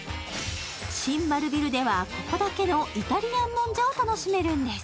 新丸ビルでは、ここだけのイタリアンもんじゃを楽しめるんです。